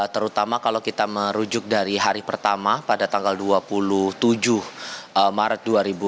terutama kalau kita merujuk dari hari pertama pada tanggal dua puluh tujuh maret dua ribu dua puluh